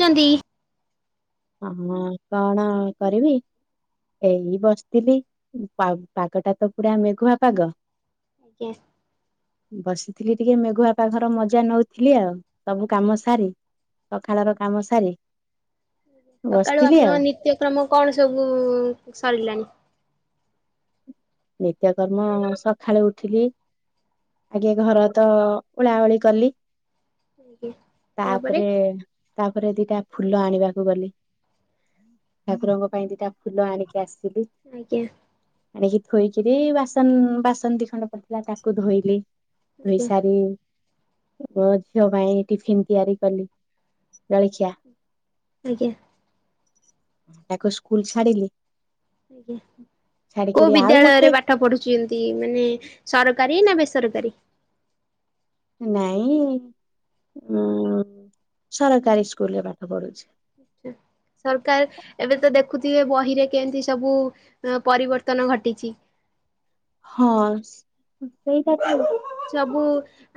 ଚନ୍ଦୀ। ହ ହଁ କଣ କରିବି? ଏଇ ବସିଥିଲି ପା ପାଗଟା ତ ପୁରା ମେଘୁଆ ପାଗ। ଆଜ୍ଞା। ବସିଥିଲି ଟିକେ ମେଘୁଆ ପାଗର ମଜା ନଉଥିଲି ଆଉ ସବୁ କାମ ସାରି ସକାଳର କାମ ସାରି ସକାଳୁ ବସିଥିଲି ଆଉ ଆପଣଙ୍କ ନିତ୍ୟକ୍ରମ କଣ ସବୁ ସରିଲାଣି? ନିତ୍ୟକର୍ମ ସକାଳୁ ଉଠିଲି ଆଗେ ଘର ତ ଉଳାଓଳି କଲି। ଆଜ୍ଞା ତାପରେ ତାପରେ ଦିଟା ଫୁଲ ଆଣିବାକୁ ଗଲି ଠାକୁରଙ୍କ ପାଇଁ ଦିଟା ଫୁଲ ଆଣିକି ଆସି ସିଲି ଆଜ୍ଞା ଆଣିକି। ଧୋଇକିରି ବାସନ ବାସନ ଦି ଖଣ୍ଡ ପଡିଥିଲା ତାକୁ ଧୋଇଲି। ଆଜ୍ଞା ଧୋଇସାରି ମୋ ଝିଅ ପାଇଁ ଟିଫିନ ତିଆରି କଲି ଜଳିଖିଆ ଆଜ୍ଞା। ତାକୁ ସ୍କୁଲ ଛାଡ଼ିଲି। ଆଜ୍ଞା କୋଉ ଆଉ ଗୋଟେ ବିଦ୍ୟାଳୟରେ ପାଠ ପଢୁଛନ୍ତି ମାନେ ସର କାରୀ ନା ବେସରକାରୀ? ନାଇଁ। ଉଁ ସରକାରୀ ସ୍କୁଲରେ ପାଠ ପଢୁଛି। ସରକାର ଏବେ ତ ଦେଖୁଥିବେ ବହିରେ କେମିତି ସବୁ ପରିବର୍ତ୍ତନ ଘଟିଛି। ହଁ ସେଇଟାକୁ ସବୁ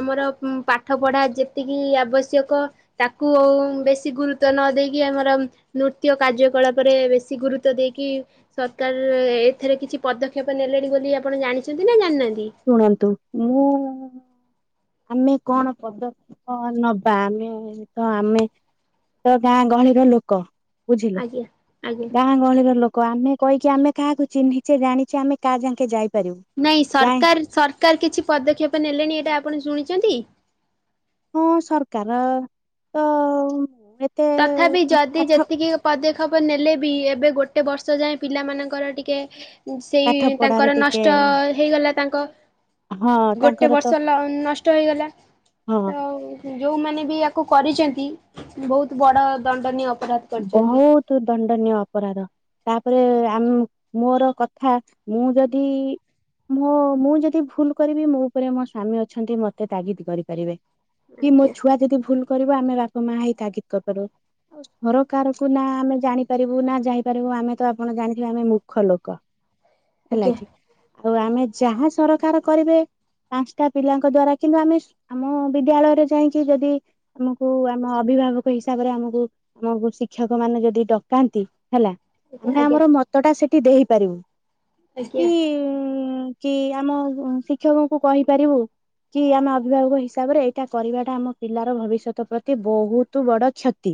ଆମର ପାଠ ପଢା ଯେତିକି ଆବଶ୍ୟକ ତାକୁ ଉ ବେଶୀ ଗୁରୁତ୍ୱ ନ ଦେଇକି ଆମର ନୃତ୍ୟ କାର୍ଯ୍ୟକଳାପରେ ବେଶୀ ଗୁରୁତ୍ୱ ଦେଇକି ଶ୍ କାର ଏଥିରେ କିଛି ପଦକ୍ଷେପ ନେଲେଣି ବୋଲି ଆପଣ ଜାଣିଛନ୍ତି ନା ଜାଣିନାହାନ୍ତି? ଶୁଣନ୍ତୁ ମୁଁ ଆମେ କଣ ପଦକ୍ଷେପ ନବା ଆମେ ତ ଆମେ ତ ଗାଁ ଗହଳିର ଲୋକ ବୁଝିଲୁ ଆଜ୍ଞା ଆଜ୍ଞା। ଗାଁ ଗହଳିର ଲୋ ଆମେ କହିକି ଆମେ କାହାକୁ ଚିହ୍ନିଛେ ଜାଣିଛେ କା ଯା କାଁ ଜଙ୍କେ ଯାଇ ନାଇଁ ସରକାର ସରକାର କିଛି ପଦକ୍ଷେପ ନେଲେଣି ଏଇଟା ଆପଣ ଶୁଣିଛନ୍ତି? ହଁ ସରକାର ତ ଏତେ ତଥାପି ଯଦି ପାଠ ଯେତିକି ପଦେ ଖେପ ନେଲେ ବି ଏବେ ଗୋଟେ ବର୍ଷ ଯାଏ । ପିଲାମାନଙ୍କର ଟିକେ ସେଇ ପାଠ ପଢାରେ ତାଙ୍କର ଟିକେ ନଷ୍ଟ ହେଇଗଲା ତାଙ୍କ ହଁ ଗୋଟେ ତାଙ୍କର ତ ବର୍ଷ ନଷ୍ଟ ହେଇଗଲା । ହଁ ତ ଯୋଉମାନେ ବି ଆକୁ କୁ କରିଛନ୍ତି ବହୁତ ବଡ଼ ଦଣ୍ଡନୀୟ ଅପ୍ ବହୁତ ଦଣ୍ଡନୀୟ ଅପରାଧ ତାପ ତାପରେ ଆମ ମୋର କଥା ମୁଁ ଯଦି ମୋ ମୁଁ ଯଦି ଭୁଲ କରିବି, ମୋ ଉପରେ ମୋ ସ୍ଵାମୀ ଅଛନ୍ତି ମତେ ତାଗିଦ କରିପାରିବେ। କି ମୋ ଆଜ୍ଞା ଛୁଆ ଯଦି ଭୁଲ କରିବ, ଆମେ ବାପା ମା ହେଇ ତାଗିଦ କରିପାରିବୁ। ଘରକାରକୁ ନା ଆମେ ଜାଣିପାରିବୁ ନା ଯାଇପାରିବୁ। ଆମେ ତ ଆପଣ ଜାଣିଥିବେ ଆମେ ମୂର୍ଖଲୋକ। ହେଲା ଆଜ୍ଞା। କି? ଆଉ ଆମେ ଯାହା ସରକାର କରିବେ ପାଞ୍ଚଟା ପିଲାଙ୍କ ଦ୍ଵାରା କିନ୍ତୁ ଆମେ ଆମ ବିଦ୍ୟାଳୟରେ ଯାଇକି ଯଦି ଆମକୁ ଆମ ଅ ଅଭିଭାବକ ହିସାବରେ ଆମକୁ ଆମକୁ ଶିକ୍ଷକ ମାନେ ଯଦି ଡକାନ୍ତି ହେଲା, ଆମେ ଆଜ୍ଞା ଆମର ମତଟା ସେ ଦେଇପାରିବୁ। ଆଜ୍ଞା। କି କି ଆମ ଶିକ୍ଷକଙ୍କୁ କହିପାରିବୁ। କି ଆମେ ଅଭିଭାବକ ହିସାବରେ, ଏଇଟା କରିବାଟା ଆମ ପିଲାର ଭବିଷ୍ୟତ ପ୍ରତି ବହୁତ ବଡ କ୍ଷତି।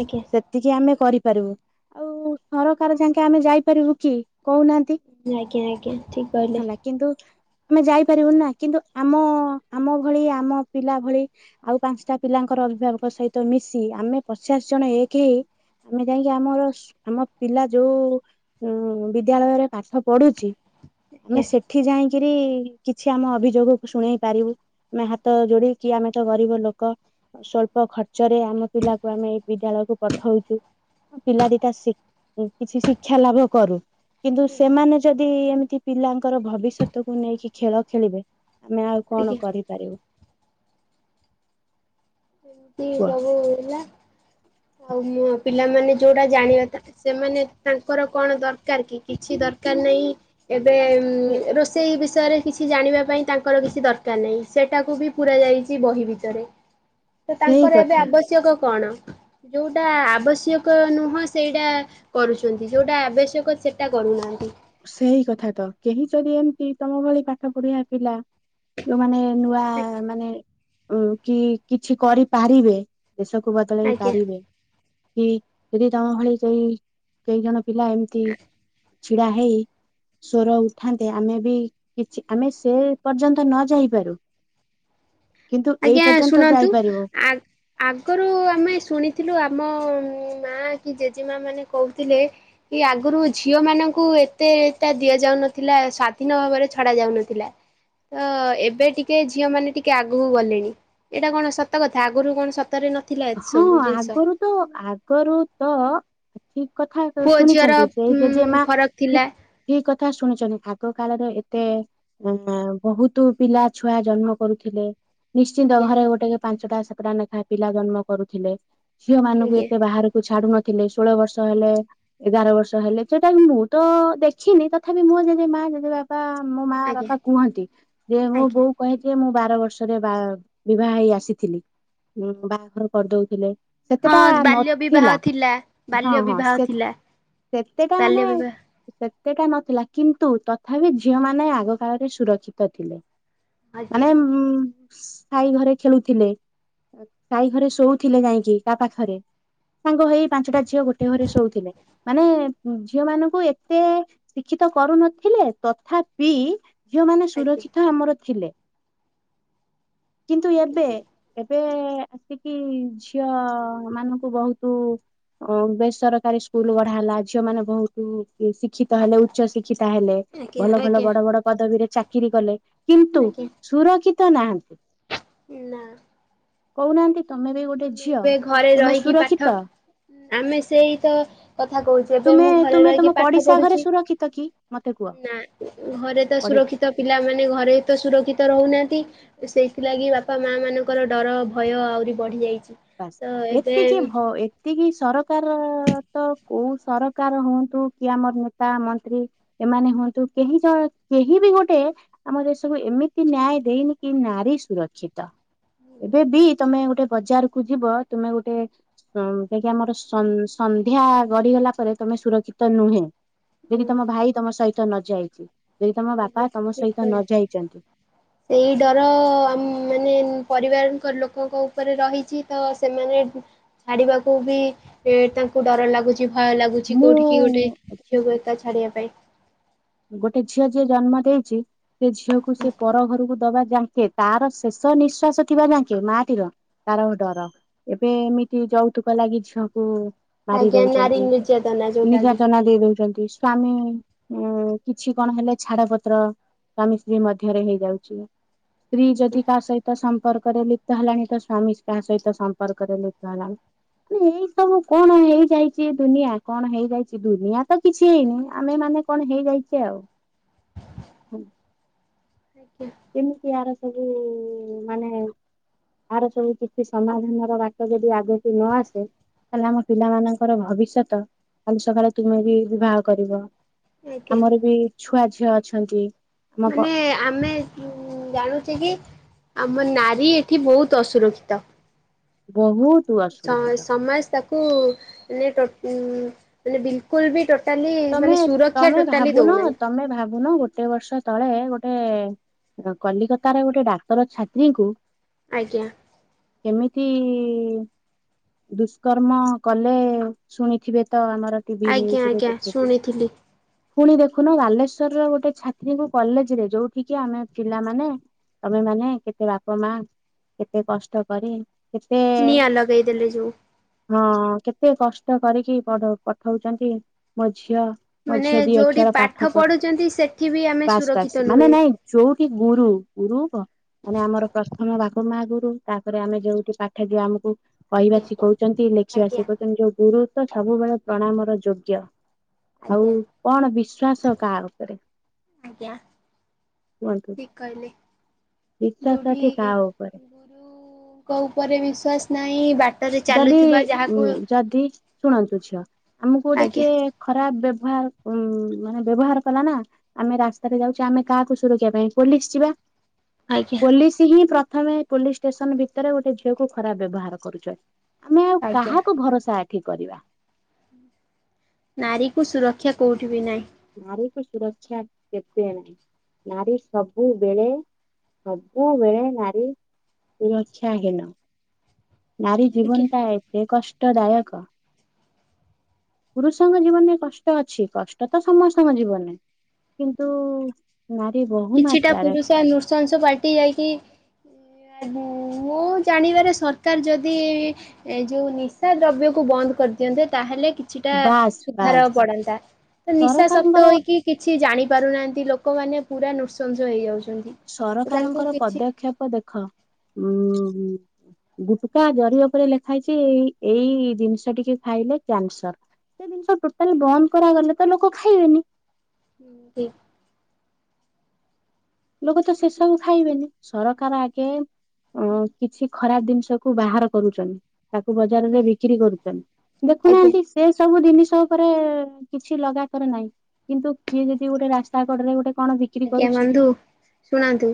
ଆଜ୍ଞା ସେତିକି ଆମେ କରି ପାରିବୁ ଆଉ ସରକାର ଯାକେ ଆମେ ଯାଇପାରିବୁ କି? କହୁନାହାନ୍ତି ଆଜ୍ଞା ଆଜ୍ଞା ଠିକ କହିଲେ। ହେଲା, କିନ୍ତୁ ଆମେ ଯାଇପାରିବୁନି ନା କିନ୍ତୁ ଆମ ଆମ ଭଳି ଆମ ପିଲା ଭଳି ଆଉ ପାଞ୍ଚଟା ପିଲାଙ୍କର ଅଭିଭାବକ ସହିତ ମିଶି ଆମେ ପଚାଶ ଜଣ ଏକ ହେଇ ଆମେ ଯାଇକି ଆମର ଆମ ପିଲା ଯୋଉ ବିଦ୍ୟାଳୟରେ ପାଠ ପଢୁଛି। ଆଜ୍ଞା ଆମେ ସେଠି ଯାଇକି ଯାଇକରି କିଛି ଆମ ଅଭିଯୋଗକୁ ଶୁଣେଇ ପାରିବୁ। ଆମେ ହାତ ଯୋଡିକି ଆମେ ତ ଗରିବ ଲୋକ । ସ୍ୱଳ୍ପ ଖର୍ଚ୍ଚରେ ଆମ ପିଲାକୁ ଆମେ ଏ ବିଦ୍ୟାଳୟକୁ ପଠଉଛୁ। ପିଲା ଦିଟା କିଛି ଶିକ୍ଷା ଲାଭ କରୁ। କିନ୍ତୁ ଆଜ୍ଞା। ସେମାନେ ଯଦି ଏମିତି ପିଲାଙ୍କର ଭବିଷ୍ୟତକୁ ନେଇକି ଖେଳ ଖେଳିବେ। ଆମେ ଆଉ କଣ କରିପାରିବୁ? ଏମିତି କୁହ? ସବୁ ହେଲା ଆଉ ମୁଁ ପିଲାମାନେ ଯୋଉଟା ଜାଣିବା ସେମାନେ ତାଙ୍କର କଣ ଦରକାର କି କିଛି ଦରକାର ନାହିଁ। ଏବେ ସେ ରୋଷେଇ ବି ବିଷୟରେ କିଛି ଜାଣିବା ପାଇଁ ତାଙ୍କର କିଛି ଦରକାର ନାହିଁ । ସେଟାକୁ ବି ପୁରା ଯାଇଛି ବହି ଭିତରେ। ତ ସେଇ ତାଙ୍କର ଏବେ କଥା ଆବଶ୍ୟକ କଣ? ଯୋଉଟା ଆବଶ୍ୟକ ନୁହଁ, ସେଇଟା କରୁଛନ୍ତି ଯୋଉଟା ଆବଶ୍ୟକ ସେଟା କରୁନାହାନ୍ତି। ସେଇ କଥା ତ କେହି ଯଦି ଏମିତି ତମ ଭଳି ପାଠ ପଢିଆ ପିଲା। ଯୋଉମାନେ ନୂଆ ମାନେ କି କିଛି କରିପାରିବେ। ଦେଶକୁ ବଦଳେଇ ଆଜ୍ଞା ପାରିବେ। କି ଯଦି ତମ ଭଳି ସେଇ କେଇ ଜଣ ପିଲା ଏମତି ଛିଡା ହେଇ ସ୍ୱର ଉଠାନ୍ତେ । ଆମେ ବି କିଛି ଆମେ ସେ ପର୍ଯ୍ୟନ୍ତ ନ ଯାଇପାରୁ। [inaudible] କିନ୍ତୁ ଏଇ ଆଜ୍ଞା ପର୍ଯ୍ୟନ୍ତ ଶୁଣନ୍ତୁ, ଯାଇପାରିବ ଆ ଆଗରୁ ଆମେ ଶୁଣିଥିଲୁ ଆମ ହଁ ବା। ମା କି ଜେଜେମା ମାନେ କହୁଥିଲେ, କି ଆଗରୁ ଝିଅ ମାନଙ୍କୁ ଏତେ ତା ଦିଆଯାଉନଥିଲା ସ୍ଵାଧୀନ ଭାବରେ ଛଡା ଯାଉନଥିଲା। ତ ଏବେ ଟିକେ ଝିଅ ମାନେ ଟିକେ ଆଗ ଆଗକୁ ଗଲେଣି, ଏଇଟା କଣ ସତ କଥା ଆଗରୁ କଣ ସତରେ ନ ହଁ ଆଗରୁ ତ ଆଗରୁ ତ ଠିକ କଥା କ ପୁଅ ଝିଅର ଶୁଣିଚନ୍ତି, ସେ ଉଁ ଜଜେ ମା ଫରକ ଠିକ ଥିଲା। ଠିକଥା କଥା ଶୁଣିଚନ୍ତି, ଆଗ କାଳରେ ଏତେ ଅ ବହୁତ ପିଲା ଛୁଆ ଜନ୍ମ କରୁଥିଲେ। ନିଶ୍ଚିନ୍ତ ଆଜ୍ଞା ଘରେ ଗୋଟେ ପାଞ୍ଚଟା ସାତଟା ଲେଖାଏ ପିଲା ଜନ୍ମ କରୁଥିଲେ। ଝିଅ ମାନଙ୍କୁ ଆଜ୍ଞା ଏତେ ବାହାରକୁ ଛାଡୁ ନଥିଲେ, ଷୋହଳ ବର୍ଷ ହେଲେ ଏଗାର ବର୍ଷ ହେଲେ ସେଟା ମୁଁ ତ ଦେଖିନି ତଥାପି ମୁଁ ଯଦି ମା ଯଦି ବାପା ମୋ ମା ଆଜ୍ଞା ବାପା କୁହନ୍ତି ଯେ ମୁଁ ଆଜ୍ଞା ବୋଉ କହିଛି ମୁଁ ବାର ବର୍ଷରେ ବା ବିବାହ ହେଇ ଆସିଥିଲି ବାହାଘର କରିଦଉଥିଲେ। ସେତେଟା ହଁ ବାଲ୍ୟ ବିବାହ ନଥିଲା ଥିଲା ହଁ ବାଲ୍ୟ ହଁ ବିବାହ ସେ ଥିଲା ସେତେଟା ମାନେ ବାଲ୍ୟ ବିବାହ ସେଟା ନଥିଲା କିନ୍ତୁ ତଥାପି ଝିଅମାନେ ଆଗ କାଳରେ ସୁରକ୍ଷିତ ଥିଲେ। ଆଜ୍ଞା ମାନେ ଉ ସାହି ଘରେ ଖେଳୁଥିଲେ ସାହି ଘରେ ଶୋଉଥିଲେ ଯାଇକି କା ପାଖରେ ସାଙ୍ଗ ହେଇ ପାଞ୍ଚଟା ଝିଅ ଗୋଟେ ଘରେ ଶୋଉଥିଲେ। ମାନେ ଝିଅ ମାନଙ୍କୁ ଏତେ ଶିକ୍ଷିତ କରୁନଥିଲେ, ତଥାପି ଝିଅମାନେେ ଆଜ୍ଞା ଆଜ୍ଞା ସୁରକ୍ଷିତ ଆମର ଥିଲେ। କିନ୍ତୁ ଏବେ ଏବେ କି ଝିଅ ମାନଙ୍କୁ ବହୁତ ଅ ବେସରକାରୀ ସ୍କୁଲ ବଢା ହେଲା ଝିଅ ମାନେ ବହୁତ ଶିକ୍ଷିତ ହେଲେ, ଉଚ୍ଚ ଶିକ୍ଷିତ ହେଲେ, ଆଜ୍ଞା ଭଲ ଭଲ ଆଜ୍ଞା ବଡ ବଡ ପଦବୀରେ ଚାକିରରି କଲେ। କିନ୍ତୁ ଆଜ୍ଞା ସୁରକ୍ଷିତ ନାହାନ୍ତି। ନା । କହୁନାହାନ୍ତି? ତମେ ବି ଗୋଟେ ଆମେ ଝିଅ ଏବେ ଘରେ ତମେ ରହିକି ପାଠ ସୁରକ୍ଷିତ ଆମେ ସେଇ ତ କଥା କହୁଚୁ, ଜେମ୍ ଏବେ ତୁମେ ମୁଁ ଘରେ ତୁମେ ରହିକି ତମ ପାଠ ପଡିଶା ଘରେ ପଢୁଚି। ସୁରକ୍ଷିତ କି ମତେ କୁହ ନା ଘରେ ତ ପଡି ସୁରକ୍ଷିତ ପିଲାମାନେ ଘରେ ତ ସୁରକ୍ଷିତ ରହୁନା ଆନ୍ତି, ସେଇଥିଲାଗି ବାପା ମା ମାନଙ୍କର ଡର ଭୟ ଆହୁରି ବଢି ଯାଇଚି। ବାସ୍ ଏତିକି ହ ଏତିକି ସରକାର କୋଉ ସରକାର ହୁଅନ୍ତୁ କି ଆମର ନେତା ମନ୍ତ୍ରୀ ଏମାନେ ହୁଅନ୍ତୁ କେହି ଜଣ କେହି ବି ଗୋଟେ ଆମ ଦେଶକୁ ଏମିତି ନ୍ୟାୟ ଦେଇନି କି ନାରୀ ସୁରକ୍ଷିତ। ଏବେ ବି ତମେ ଗୋଟେ ବଜାର କୁ ଯିବ ତୁମେ ଗୋଟେ [unintelligible] ମର ସନ୍ଧ୍ୟା ଗଢିଗଲା ପରେ ତମେ ସୁରକ୍ଷିତ ତ ନୁହେଁ ଯଦି ତମ ଭାଇ ତମ ସହିତ ନ ଯାଇଚି। ଠିକଛି ଠିକ୍ କହିଲେ, ସେଇ ଡର ଆ ମାନେ ପରିବାରଙ୍କ ଲୋକଙ୍କ ଉପରେ ରହିଚି ତ ସେମାନେ ଛାଡିବାକୁ ବି ଏ ତାଙ୍କୁ ଡର ଲାଗୁଚି। ଛି ଭୟ ଲାଗୁଚି, ମୁଁ କୋଉଠିିକ କି ଗୋଟେ ଝିଅକୁ ଏକା ଛାଡିବା ପାଇଁ। ଗୋଟେ ଝିଅ ଯିଏ ଜନ୍ମ ଦେଇଚି, ସେ ଝିଅକୁ ସେ ପର ଘରକୁ ଦବା ଯାେ ତାର ଶେଷ ନିଶ୍ୱାସ ଥିବା ଯାଙ୍କେ ମାଟିର ତାର ଡର ଏବେ ଏମିତି ଯୌତୁକ ଲାଗି ଝିଅକୁ ମାରି ଆଜ୍ଞା ନାରୀ ଦଉଚନ୍ତି, ନିର୍ଯାତନା ଯୋଉଟା କି ନିର୍ଯାତନା ଦେଇ ଦଉଚନ୍ତି। ସ୍ୱାମୀ ଉଁ କିଛି କଣ ହେଲେ ଛାଡ ପତ୍ର ସ୍ୱାମୀ ସ୍ତ୍ରୀ ମଧ୍ୟରେ ହେଇଯାଉଚି। ସ୍ତ୍ରୀ ଯଦି କାହା ସହିତ ସମ୍ପର୍କରେ ଲୁପ୍ତ ହେଲାଣି ତ ସ୍ଵାମୀ କାହା ସହିତ ସମ୍ପର୍କରେ ଲୁପ୍ତ ହେଲାଣି। ମାନେ ଏଇ ସବୁ କଣ ହେଇଯାଇଚି ଦୁନିଆ କଣ ହେଇଯାଇଚି ଦୁନିଆ ତ କିଛି ହେଇନି ଆମେ ମାନେ ମାନେ କଣ ହେଇଯାଇଚି ଆଉ। ଆଞା। ୟାର ସବୁ ମାନେ। ତାର ସବୁ କିଛି ସମାଧାନର ବାଟ ଯଦି ଆଗକୁ ନ ଆସେ। ତାହଲେ ଆମ ପିଲା ମାନଙ୍କର ଭବିଷ୍ୟତ କାଲି ସକାଳେ ତୁମେ ବି ବିବାହ କରିବ। ଆଜ୍ଞା ଆମର ବି ଛୁଆ ଝିଅ ଅଛନ୍ତି। ଆମ ପ ମାନେ ଆମେ। ଉଁ ଜାଣୁଛେ କି ଆମ ନାରୀ ଏଠି ବହୁତ ଅସୁରକ୍ଷିତ। ବହୁତ ଅସୁରକ୍ଷିତ ସମାଜ ତାକୁ ମାନେ ଉ ମାନେ ବିଲକୁଲ ବି ଟୋଟା ତମେ ତମେ ଭାବୁନ ତମେ ଭାବୁନ ଗୋଟେ ବର୍ଷ ତଳେ ଗୋଟେ କଲିକତାର ଗୋଟେ ଡାକ୍ଟର ଛାତ୍ରୀଙ୍କୁ ଆଜ୍ଞା ଠି ଦୁସ୍କରମ କଲେ ଶୁଣିଥିବେ ତ ଆମର ଟିଭି ପିଲି ପୁଣି ଦେଖୁନ ବାଲେଶ୍ଵର ର ଗୋଟେ ଛାତ୍ରୀଙ୍କ କଲେଜ୍ ରେ ଯୋଉଠି କି ଆମେ ପିଲାମାନେ ତମେ ମାନେ କେତେ ବାପା ମା କେତେ କେତେ ନିଆଁ ଲଗେଇଦେଲେ ଯୋଉ ହଁ କେତେ କଷ୍ଟ କରିକି ପଢଉ ପଠଉଛନ୍ତି । ଝିଅ ମୋ ମାନେ ଝିଅ ଦି ଯୋଉଠି ଅକ୍ଷର ପାଠ ପଢ଼ୁ ପଢୁଛନ୍ତି ସେଠି ବି ଆମେ ବାସ୍ ବାସ୍ ସୁରକ୍ଷିତ ମାନେ ନୁହେଁ। ନାଇଁ ଯୋଉଠି ଗୁରୁ ଗୁରୁବ ମାନେ ଆମର ପ୍ରସ୍ଥମ ରାଧା କହିବା ଆଜ୍ଞା ଶିଖଉଛନ୍ତି, ବୁଝିବା ଆଜ୍ଞା ଶିଖଉଛନ୍ତି ଗୁରୁ ତମେ ସବୁବେଳେ ପ୍ରଣାମ ର ଯୋଗ୍ୟ । ଆଉ ଆଜ୍ଞା କ ଆଜ୍ଞା ଠିକ କହିଲେ ବିଶ୍ଵାସ ଏଠି ଯୋଉଠି କାହା ଉପରେ ଗୁରୁ ଯଦି ଉ ଯଦି ଶୁଣନ୍ତୁ ଝିଅ ଆମକୁ ଯଦି ଆଜ୍ଞା କିଏ ଖରାପ୍ ବ୍ୟବ ମାନେ ବ୍ୟବହାର କଲା ନା ଆମେ ରାସ୍ତାରେ ଯାଉଚେ ଆମେ କୀହାକୁ ସୁରକ୍ଷା ପାଇଁ ପୋଲିସ୍ ଯିବା ଆଜ୍ଞା ପୋଲିସ୍ ହିଁ ପ୍ରଥମେ ପୋଲିସ୍ ଷ୍ଟେସନ ଭିତରେ ଗୋଟେ ଝିଅକୁ ଖରାପ୍ ବ୍ଯବହାର କରୁଚନ୍ତି। ଆମେ ଆଉ ଆଜ୍ଞା କାହାକୁ ଭରସା ଏଠି କରିବା । ନାରୀ କୁ ସୁରକ୍ଷା କୋଉଠି ବି ନାହିଁ । ନାରୀକୁ ସୁରକ୍ଷା କେବେ ନାହିଁ ନାରୀ ସବୁବେଳେ ସବୁବେଳେ ନାରୀ ସୁରକ୍ଷା ହୀନ । ନାରୀ ଜୀବନ ଆଜ୍ଞା। ଟା ଏତେ କଷ୍ଟ ଦାୟକ । ପୁରୁଷଙ୍କ ଜୀବନରେ କଷ୍ଟ ଅଛି । କଷ୍ଟ ତ ସମସ୍ତ ଜୀବନରେ କିନ୍ତୁ ନାରୀ ବହୁ କିଛିଟା ମାତ୍ରାରେ ପୁରୁଷ ନୃଶଂସ ପାଲ୍ ଟି ଯାଇକି ଏ ମୁଁ ଦିଅନ୍ତେ ତାହେଲେ କିଛିଟା ବାସ୍ ସୁଧାର ବାସ୍ ବଢ଼ନ୍ତା । ନିଶା ଶକ୍ତ ସରକାରଙ୍କର ହେଇକି କିଛି କିଛି ଜାଣି ପାରୁନାହାନ୍ତି ଲୋକମାନେ ପୁରା ନୃସଂସ ହେଇଯାଉଛନ୍ତି । ସରକାରଙ୍କର ପଦକ୍ଷେପ ଦେଖ ଉଁ ଉଁ ଗୁଟୁକା ଜରି ଉପରେ ଲେଖା ଯାଇଛି ଏଇ ଏଇ ଜିନିଷ ଟିକି ଖା ସେ ଜିନିଷ ଟୋଟାଲି ବନ୍ଦ୍ କରା ହବନି ତମେ କଣ ଖାଇବନି । ହୁଁ ଲୋକ ତ ସେ ସବୁ ଖାଇବେନି । ସରକାର ଆଗେ ଅ କିଛି ଖରାପ ଜିନିଷ କୁ ବାହାର କରୁଛନ୍ତି । ତାକୁ ଆଜ୍ଞା ବଜାରରେ ବିକ୍ରି କରୁଛନ୍ତି ଆଜ୍ଞା। ଦେଖୁନାହାନ୍ତି ସେ ସବୁ ଜିନିଷ ଉପରେ କିଛି ଲଗାକର ନାହିଁ । କିନ୍ତୁ କିଏ ଯଦି ଗୋଟେ ରାସ୍ତା କଡରେ ଗୋଟେ କଣ ବିକ୍ରି ଆଜ୍ଞା କରୁଛି? ବନ୍ଧୁ ଶୁଣନ୍ତୁ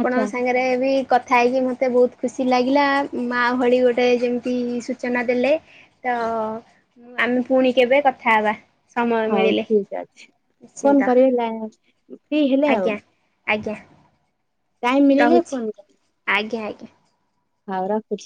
ଆଚ୍ଛା ସାଙ୍ଗରେ ବି କଥା ହେଇକି ମତେ ବହୁତ ଖୁସି ଲାଗିଲା ମା ଭଳି ଗୋଟେ ଯେମିତି ସୂଚନା ଦେଲେ ତ ଆମେ ପୁଣି କେବେ କଥା ହେବା ସମୟ ହଉ ମିଳିଲେ ଠିକ ଅଛି। ଫୋନ ନିଶ୍ଚିନ୍ତ କରିବେ ଲା ଫ୍ରି ହେଲେ ଆଉ ଆଜ୍ଞା ଆଜ୍ଞା ଟାଇମ ମିଳିଲେ ରହୁଛି ଫୋନ ଆଜ୍ଞା ଆଜ୍ଞା କରିବେ ହଉ ରଖୁଛି।